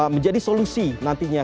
menjadi solusi nantinya